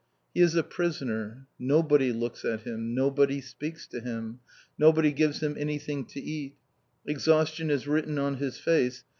He is a prisoner. Nobody looks at him. Nobody speaks to him. Nobody gives him anything to eat. Exhaustion is written on his face.